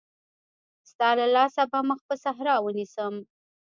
ستا له لاسه به مخ پر صحرا ونيسم.